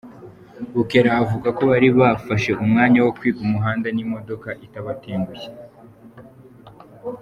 Bukera avuga ko bari barafashe umwanya wo kwiga umuhanda n’imodoka itabatengushye.